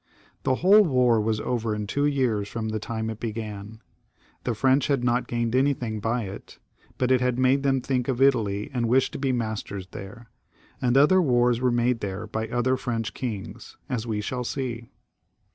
The whole war was over in two years from the time when it began. The French had not gained anything by it, but it had made them think of Italy, and wish to be masters there ; and other wars were made there by other French kings, as we shall see.